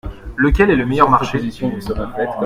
Lequel est le meilleur marché ?